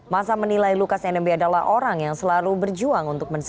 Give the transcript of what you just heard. masa menilai lukas nmb adalah orang yang selalu berjuang untuk mencari